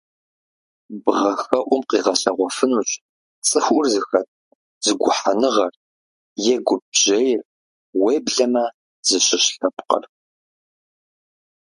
Бгъэхэӏум къигъэлъэгъуэфынущ цӏыхур зыхэт зэгухьэныгъэр е гупжьейр, уеблэмэ зыщыщ лъэпкъыр.